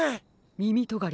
みみとがり